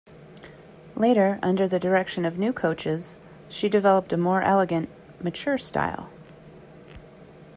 Later, under the direction of new coaches, she developed a more elegant, mature style.